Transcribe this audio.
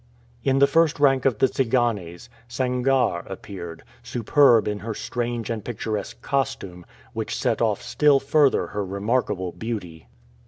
In the first rank of the Tsiganes, Sangarre appeared, superb in her strange and picturesque costume, which set off still further her remarkable beauty.